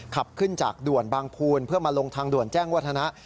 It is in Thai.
ขับขึ้นจากด่วนบางภูนเพื่อมาลงทางด่วนแจ้งวัฒนะ